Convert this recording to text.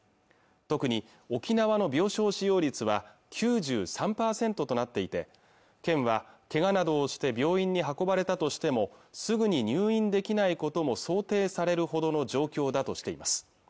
特に沖縄の病床使用率は９３％となっていて県はけがなどをして病院に運ばれたとしてもすぐに入院できないことも想定されるほどの状況だとしています